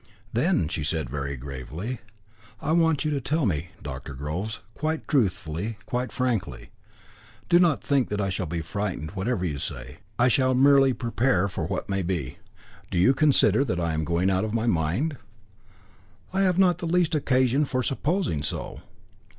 Then she said very gravely: "I want you to tell me, Dr. Groves, quite truthfully, quite frankly do not think that I shall be frightened whatever you say; I shall merely prepare for what may be do you consider that I am going out of my mind?" "I have not the least occasion for supposing so."